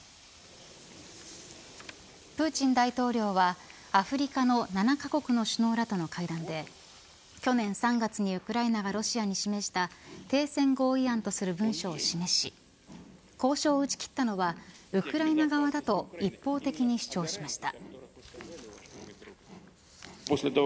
プーチン大統領はアフリカの７カ国の首脳らとの会談で去年３月にウクライナがロシアに示した停戦合意案とする文書を示し交渉を打ち切ったのはウクライナ側だと一方的に主張しました。